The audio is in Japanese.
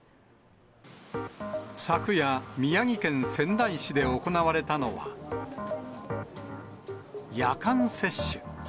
昨夜、宮城県仙台市で行われたのは夜間接種。